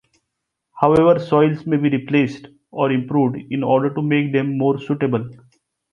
However soils may be replaced or improved in order to make them more suitable.